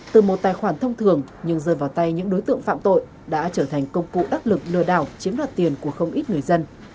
từ một tài khoản thông thường nhưng rơi vào tay những đối tượng phạm tội đã trở thành công cụ đắc lực lừa đảo chiếm đoạt tiền của không ít người dân